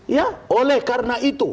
ya oleh karena itu